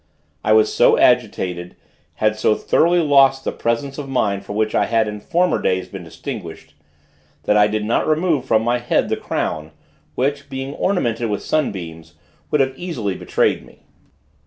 I was so agitated, had so thoroughly lost that presence of mind for which I had in former days been distinguished, that I did not remove from my head the crown, which, being ornamented with sunbeams, would have easily betrayed me.